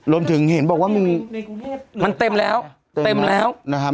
เห็นบอกว่ามันเต็มแล้วเต็มแล้วนะครับ